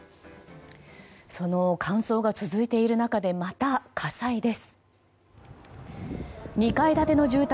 その乾燥が続いている中でまた火災です。